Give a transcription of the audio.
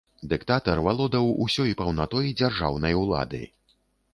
Дыктатар валодаў усёй паўнатой дзяржаўнай улады.